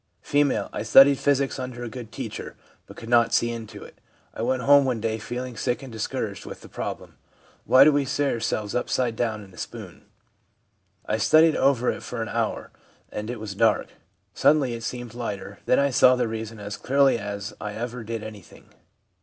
F. * I studied physics under a good teacher, but could not see into it. I went home one day feeling sick and discouraged with the problem : Why do we see our selves upside down in a spoon ? I studied over it for an hour, and it was dark. Suddenly it seemed lighter; then I saw the reason as clearly as I ever did anything.